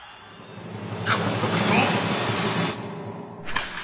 今度こそ！